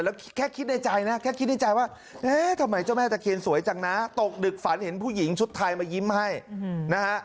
แล้วแค่คิดในใจนะแค่คิดในใจว่าเอ๊ะทำไมเจ้าแม่ตะเคียนสวยจังนะตกดึกฝันเห็นผู้หญิงชุดไทยมายิ้มให้นะฮะ